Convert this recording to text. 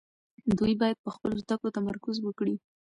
دوی باید په خپلو زده کړو تمرکز وکړي.